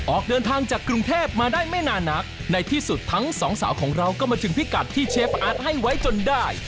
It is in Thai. ออกเดินทางจากกรุงเทพมาได้ไม่นานนักในที่สุดทั้งสองสาวของเราก็มาถึงพิกัดที่เชฟอาร์ตให้ไว้จนได้